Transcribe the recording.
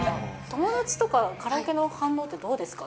友達とかは、カラオケの反応とかどうですか。